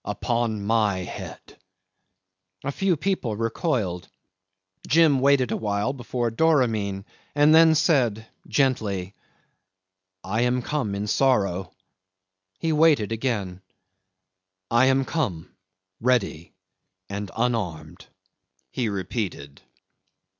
Upon my head." A few people recoiled. Jim waited awhile before Doramin, and then said gently, "I am come in sorrow." He waited again. "I am come ready and unarmed," he repeated.